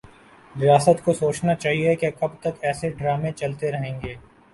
ریاست کو سوچنا چاہیے کہ کب تک ایسے ڈرامے چلتے رہیں گے